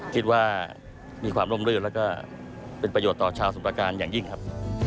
คิดว่ามีความร่มรื่นแล้วก็เป็นประโยชน์ต่อชาวสุประการอย่างยิ่งครับ